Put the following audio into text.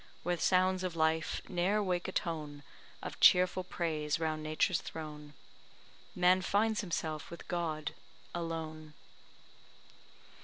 Where sounds of life ne'er wake a tone Of cheerful praise round Nature's throne, Man finds himself with God alone.